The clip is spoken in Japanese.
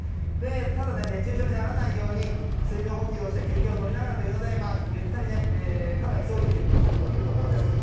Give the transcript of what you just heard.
ただ、熱中症にならないように水分補給をして休憩をとりながらということでゆったり、ただ急いで準備をするというところです。